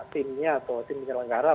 timnya atau tim penyelenggara